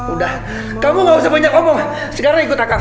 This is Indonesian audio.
udah kamu gak usah banyak ngomong sekarang ikut akan